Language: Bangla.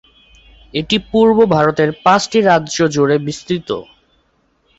এটি পূর্ব ভারতের পাঁচটি রাজ্য জুড়ে বিস্তৃত।